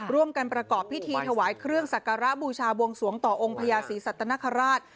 ประกอบพิธีถวายเครื่องสักการะบูชาบวงสวงต่อองค์พญาศรีสัตนคราช